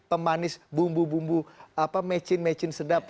pemanis bumbu bumbu mecin mecin sedap